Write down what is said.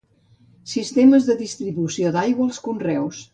Sistemes de distribució d'aigua als conreus.